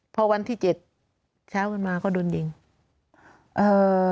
พอวันที่เจ็ดเช้าขึ้นมาก็โดนยิงเอ่อ